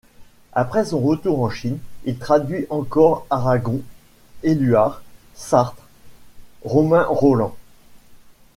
Après son retour en Chine, il traduit encore Aragon, Éluard, Sartre, Romain Rolland.